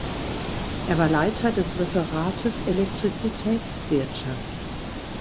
Er war Leiter des Referates Elektrizitätswirtschaft.